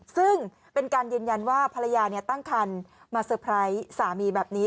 ซึ่งเป็นการยืนยันว่าภรรยาตั้งคันมาเซอร์ไพรส์สามีแบบนี้